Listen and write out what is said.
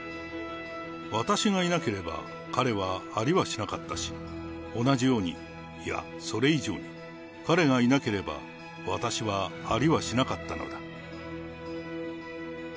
私がいなければ、彼はありはしなかったし、同じように、いや、それ以上に、彼がいなければ私はありはしなかったのだ。